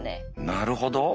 なるほど。